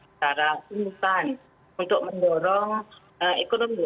secara instan untuk mendorong ekonomi